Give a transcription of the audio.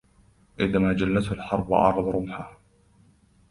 إذا ما جلته الحرب أعرض رمحه